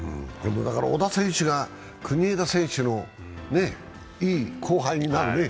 小田選手が国枝選手のいい後輩になるね。